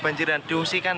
banjiran diusikan ya